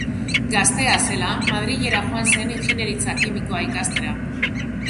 Gaztea zela Madrilera joan zen ingeniaritza kimikoa ikastera.